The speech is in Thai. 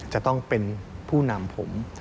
จะต้องเป็นผู้นำผม